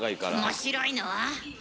面白いの？